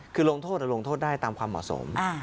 คือลงทศก็ลงทศได้ตามความมอบสม